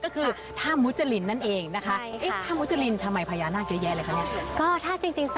ก็คือถ้ำวูจรินนั่นเองนะคะ